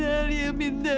dan mengecewakan om dan tante